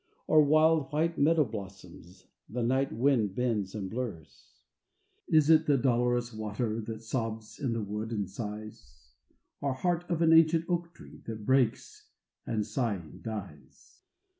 Or wild white meadow blossoms The night wind bends and blurs? Is it the dolorous water, That sobs in the wood and sighs? Or heart of an ancient oak tree, That breaks and, sighing, dies?